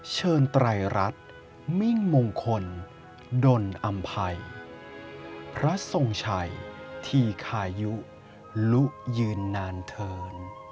ไตรรัฐมิ่งมงคลดนอำภัยพระทรงชัยธีคายุลุยืนนานเถิน